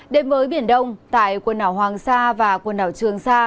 đêm với biển đông tại quần ảo hoàng sa và quần ảo trường sa